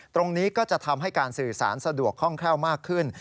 ตรงนี้ก็จะทำให้การสื่อสารสะดวกคล่องแคล่วมากขึ้น